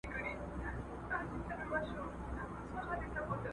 ایا د نړۍ په ډېرو سیمو کې سپک خواړه ارزانه دي؟